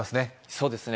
そうですね